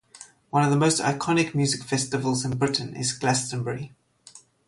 One of the most iconic music festivals in Britain is Glastonbury.